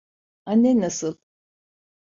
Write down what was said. Annen nasıl?